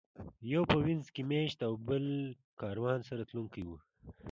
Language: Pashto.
یو په وینز کې مېشت او بل کاروان سره تلونکی و.